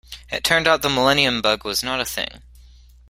It turned out the millennium bug was not a thing.